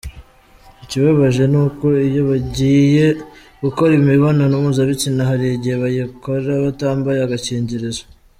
Ikibabaje ni uko iyo bagiye gukora imibonano mpuzabitsina hari igihe bayikora batambaye agakingirizo.